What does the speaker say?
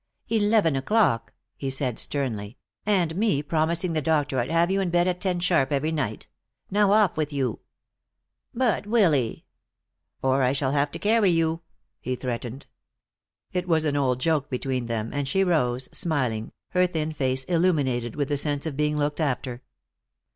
"Eleven o'clock," he said sternly. "And me promising the doctor I'd have you in bed at ten sharp every night! Now off with you." "But, Willy "" or I shall have to carry you," he threatened. It was an old joke between them, and she rose, smiling, her thin face illuminated with the sense of being looked after.